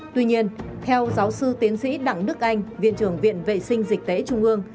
tuy nhiên theo giáo sư tiến sĩ đặng đức anh viện trưởng viện vệ sinh dịch tễ trung ương